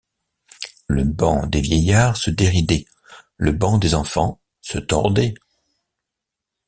Le banc des vieillards se déridait, le banc des enfants se tordait.